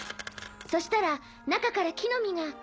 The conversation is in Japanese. そしたら中から木の実が」。